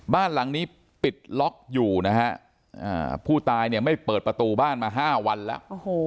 บ้านหลังนี้ปิดล็อกอยู่นะฮะผู้ตายเนี่ยไม่เปิดประตูบ้านมา๕วันแล้ว